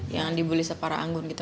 yang dibuli separah anggun gitu